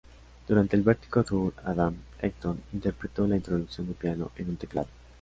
Durante el Vertigo Tour, Adam Clayton interpretó la introducción de piano en un teclado.